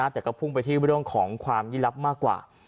แต่ก็พุ่งไปที่เรื่องของความยี่ลับมากกว่า